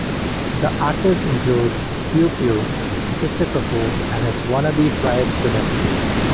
The actors include Piu-piu, Sister Cuckoo, and his wanna-be Triad students.